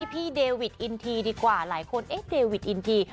พี่เดวิดอินทีดีกว่าหลายคนเอ๊ะเดวิดอินที